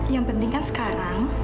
yang penting kan sekarang